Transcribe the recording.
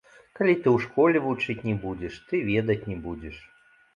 Калі ты ў школе вучыць не будзеш, ты ведаць не будзеш.